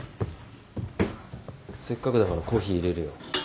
せっかくだからコーヒー入れるよ。